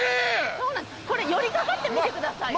これ寄りかかってみてください